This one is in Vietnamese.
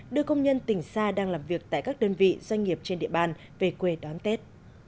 đưa công nhân tỉnh xa đang làm việc tại các đơn vị doanh nghiệp trên địa bàn về quê đón tết